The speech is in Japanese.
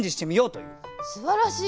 すばらしい！